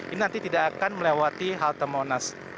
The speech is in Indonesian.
ini nanti tidak akan melewati halte monas